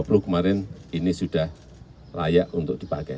tapi untuk u dua puluh kemarin ini sudah layak untuk dipakai